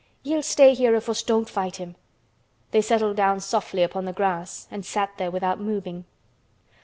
He'll stay here if us don't flight him." They settled down softly upon the grass and sat there without moving.